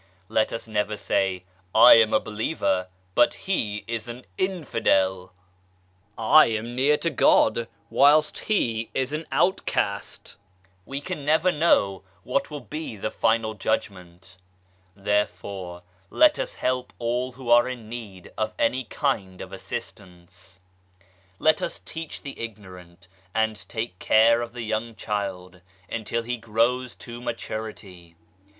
Let us never say, " I am a believer but he is an Infidel," " I am near to God, whilst he is an outcast/ 1 We can never know what will be the final judgment I Therefore let us help all who are in need of any kind of assistance. Let us teach the ignorant, and take care of the young child until he grows to maturity.